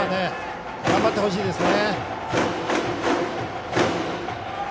頑張ってほしいですね。